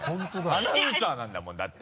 アナウンサーなんだもんだって。